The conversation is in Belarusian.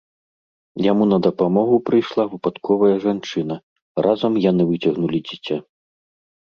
Яму на дапамогу прыйшла выпадковая жанчына, разам яны выцягнулі дзіця.